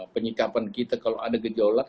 penyikapan kita kalau ada gejolak